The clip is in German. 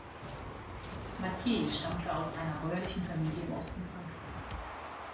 Mathiez stammte aus einer bäuerlichen Familie im Osten Frankreichs.